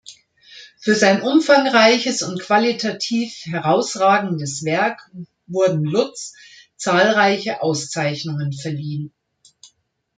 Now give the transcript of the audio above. Für sein umfangreiches und qualitativ herausragendes Werk wurden Lutz zahlreiche Auszeichnungen verliehen.